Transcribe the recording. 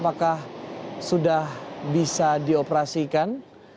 apakah sudah bisa dioperasikan